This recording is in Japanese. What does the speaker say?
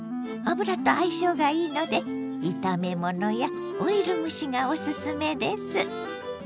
油と相性がいいので炒め物やオイル蒸しがおすすめです。